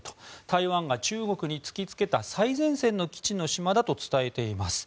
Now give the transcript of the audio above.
台湾が中国に突きつけた最前線の基地の島だと伝えています。